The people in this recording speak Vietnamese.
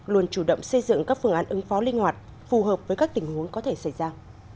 luôn chủ động xây dựng các phương án ứng phó linh hoạt phù hợp với các tình huống có thể xảy ra